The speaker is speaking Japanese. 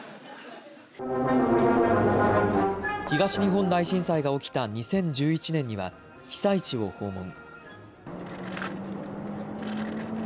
東日本大震災が起きた２０１１年には被災地を訪問。